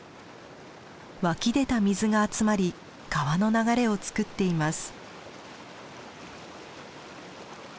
湧き出た水が集まり川の流れを作っています。